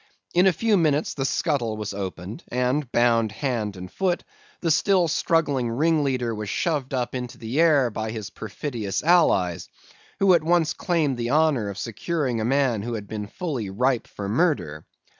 In a few minutes the scuttle was opened, and, bound hand and foot, the still struggling ringleader was shoved up into the air by his perfidious allies, who at once claimed the honor of securing a man who had been fully ripe for murder.